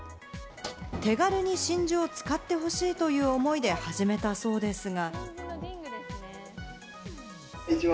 手軽に真珠を使ってほしいという思いで始めたそうですが。